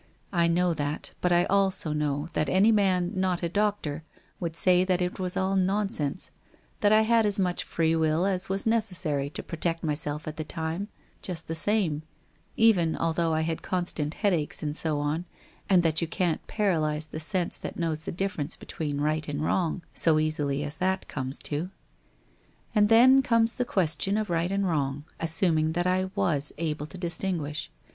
I know that, but I also know that any man not a doctor would say that it was all nonsense, that I had as much free will as was necessary to protect myself at the time, just the same, even although I had constant headaches and so on, and that you can't paralyze the sense that knows the difference between right and wrong so easily as that comes to. And then comes the question of right and wrong, as suming that I was able to distinguish.